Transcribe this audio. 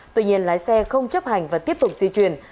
tuy nhiên lái xe không chấp hành và tiếp tục di chuyển